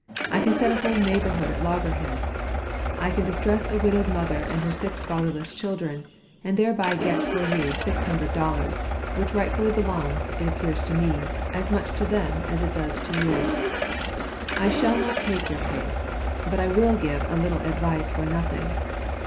I can set a whole neighborhood at loggerheads; I can distress a widowed mother and her six fatherless children, and thereby get for you six hundred dollars, which rightfully belongs, it appears to me, as much to them as it does to you. I shall not take your case, but I will give a little advice for nothing.